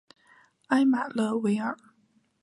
埃马勒维尔。